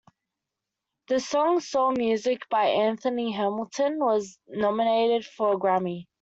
The song "Soul Music" by Anthony Hamilton was nominated for a Grammy.